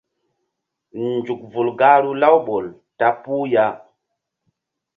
Nzuk vul gahru Laouɓol ta puh ya.